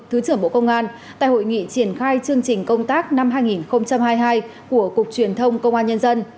thứ trưởng bộ công an tại hội nghị triển khai chương trình công tác năm hai nghìn hai mươi hai của cục truyền thông công an nhân dân